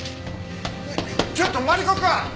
ちょっとマリコくん！